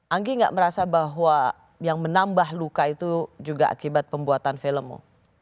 anggi nggak merasa bahwa yang menambah luka itu juga akibat pembuatan filmmu